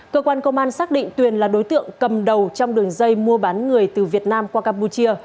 cơ quan công an xác định tuyền là đối tượng cầm đầu trong đường dây mua bán người từ việt nam qua campuchia